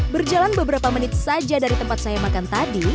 berjalan beberapa menit saja dari tempat saya makan tadi